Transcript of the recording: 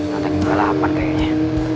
tata juga lapar kayaknya